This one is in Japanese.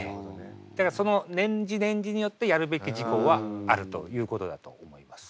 だからその年次年次によってやるべき事項はあるということだと思います。